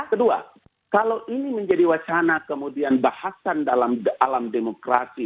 kedua kalau ini menjadi wacana kemudian bahasan dalam alam demokrasi